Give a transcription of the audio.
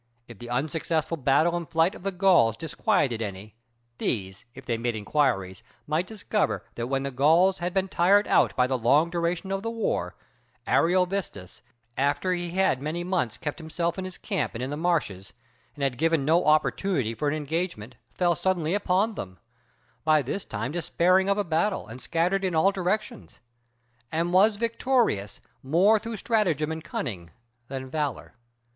If the unsuccessful battle and flight of the Gauls disquieted any, these, if they made inquiries, might discover that when the Gauls had been tired out by the long duration of the war, Ariovistus, after he had many months kept himself in his camp and in the marshes, and had given no opportunity for an engagement, fell suddenly upon them, by this time despairing of a battle and scattered in all directions; and was victorious more through stratagem and cunning than valor.